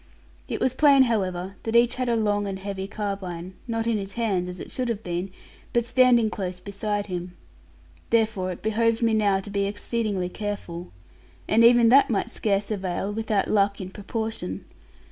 It was plain, however, that each had a long and heavy carbine, not in his hands (as it should have been), but standing close beside him. Therefore it behoved me now to be exceedingly careful, and even that might scarce avail, without luck in proportion.